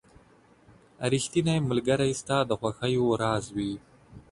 • ریښتینی ملګری ستا د خوښیو راز وي.